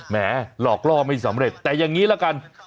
แหมหลอกล่อไม่สำเร็จแต่อย่างนี้ละกัน